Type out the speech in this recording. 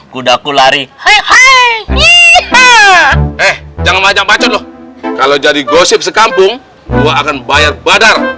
kudaku lari hei hei ih eh jangan majak pacot loh kalau jadi gosip sekampung gua akan bayar badar